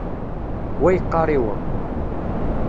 Wa yeqqaṛ i wa.